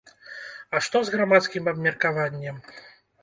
А што з грамадскім абмеркаваннем?